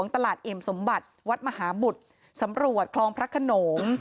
ตลาดเอี่ยมสมบัติวัดมหาบุตรสำรวจคลองพระขนง